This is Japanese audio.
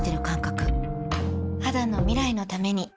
肌の未来のために